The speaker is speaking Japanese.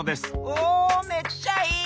おめっちゃいい！